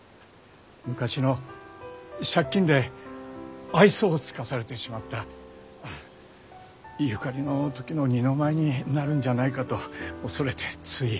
昔の借金で愛想を尽かされてしまったゆかりの時の二の舞になるんじゃないかと恐れてつい。